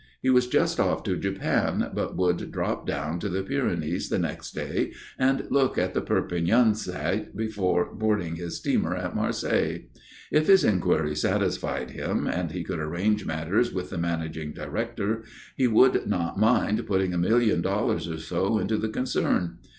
He was just off to Japan, but would drop down to the Pyrenees the next day and look at the Perpignan site before boarding his steamer at Marseilles. If his inquiries satisfied him, and he could arrange matters with the managing director, he would not mind putting a million dollars or so into the concern.